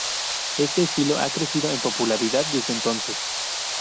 Este estilo ha crecido en popularidad desde entonces.